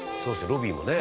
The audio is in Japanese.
ロビーもね」